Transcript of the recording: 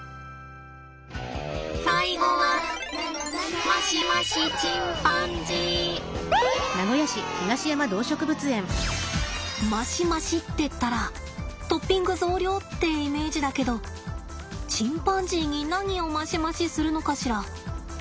最後はマシマシってったらトッピング増量ってイメージだけどチンパンジーに何をマシマシするのかしら。